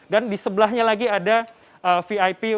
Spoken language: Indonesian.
dan di sebelahnya lagi ada vip hospitality suite